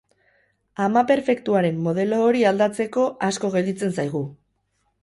Ama perfektuaren modelo hori aldatzeko asko gelditzen zaigu.